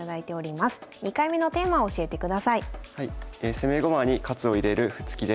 「攻め駒に活を入れる歩突き」です。